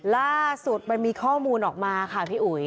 ล่าสุดมันมีข้อมูลออกมาค่ะพี่อุ๋ย